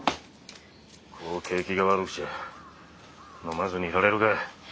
こう景気が悪くちゃ飲まずにいられるか。